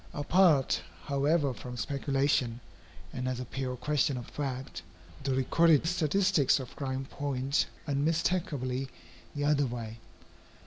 Apart, however, from speculation, and as a pure question of fact, the recorded statistics of crime point unmistakably the other way.